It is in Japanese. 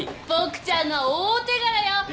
ボクちゃんの大手柄よ！